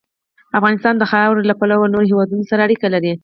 افغانستان د خاوره له پلوه له نورو هېوادونو سره اړیکې لري.